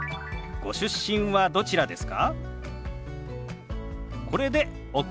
ご出身はどちらですか？